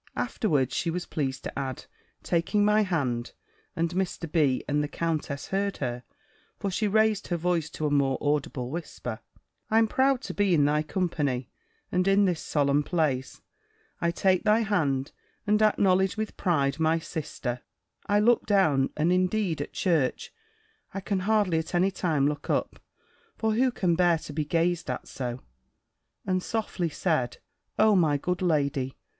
Afterwards she was pleased to add, taking my hand, and Mr. B. and the countess heard her (for she raised her voice to a more audible whisper), "I'm proud to be in thy company, and in this solemn place, I take thy hand, and acknowledge with pride, my sister." I looked down; and indeed, at church, I can hardly at any time look up; for who can bear to be gazed at so? and softly said, "Oh! my good lady!